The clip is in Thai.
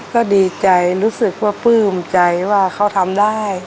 ก็ดีใจรู้สึกว่าปลื้มใจว่าเขาทำได้